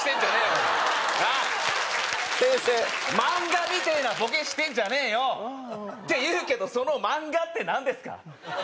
お前なあマンガみてえなボケしてんじゃねえよっていうけどそのマンガって何ですか？